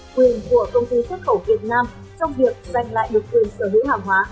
quyền của công ty xuất khẩu việt nam trong việc giành lại được quyền sở hữu hàng hóa